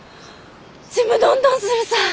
ちむどんどんするさー。